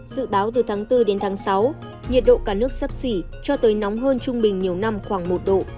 dự báo từ tháng bốn đến tháng sáu nhiệt độ cả nước sắp xỉ cho tới nóng hơn trung bình nhiều năm khoảng một độ